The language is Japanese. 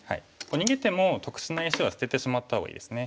逃げても得しない石は捨ててしまった方がいいですね。